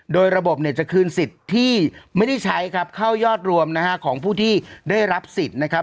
โดยระบบเนี่ยจะคืนสิทธิ์ที่ไม่ได้ใช้ครับเข้ายอดรวมนะฮะของผู้ที่ได้รับสิทธิ์นะครับ